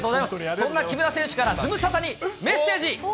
そんな木村選手からズムサタにメッセージ。